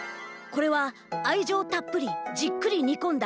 これはあいじょうたっぷりじっくりにこんだ